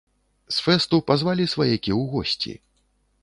З фэсту пазвалі сваякі ў госці.